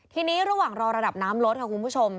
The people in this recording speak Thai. ทีนี้ระหว่างรอระดับน้ำลดค่ะคุณผู้ชม